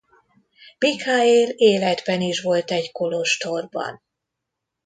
Mikhaél életben is volt egy kolostorban.